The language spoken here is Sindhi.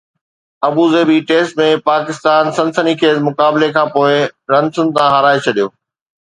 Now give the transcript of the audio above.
ابوظهبي ٽيسٽ ۾ پاڪستان سنسني خیز مقابلي کانپوءِ رنسن تان هارائي ڇڏيو